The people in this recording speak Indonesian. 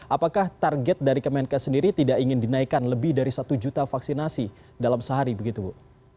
apakah target dari kemenkes sendiri tidak ingin dinaikkan lebih dari satu juta vaksinasi dalam sehari begitu bu